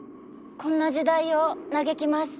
こんな時代を嘆きます。